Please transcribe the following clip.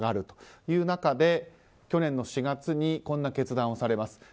という中で去年の４月にこんな決断をされます。